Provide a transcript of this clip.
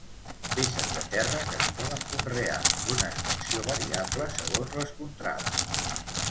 Peces de terra que es poden conrear, d'una extensió variable segons les contrades.